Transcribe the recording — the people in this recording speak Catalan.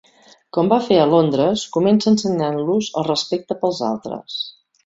Com va fer a Londres, comença ensenyant-los el respecte pels altres.